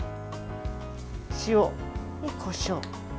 塩、こしょう。